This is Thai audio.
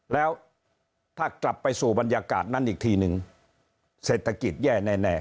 แล้วถ้ากลับไปสู่บรรยากาศนั้นอีกทีนึงเศรษฐกิจแย่แน่